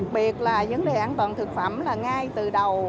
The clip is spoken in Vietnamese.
biệt là vấn đề an toàn thực phẩm là ngay từ đầu